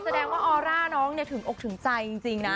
แสดงว่าออร่าน้องเนี่ยถึงอกถึงใจจริงนะ